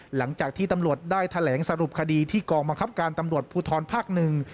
หลังจากที่ตำรวจได้แถลงสรุปคดีที่กองบังคับการตำรวจภูทรภาคหนึ่ง